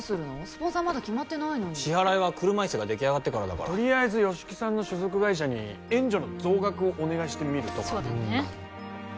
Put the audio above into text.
スポンサーまだ決まってないのに支払いは車いすが出来上がってからだからとりあえず吉木さんの所属会社に援助の増額をお願いしてみるとかそうだね